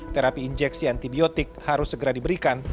terapi injeksi antibiotik harus segera diberikan